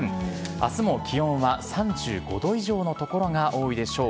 明日も気温は３５度以上の所が多いでしょう。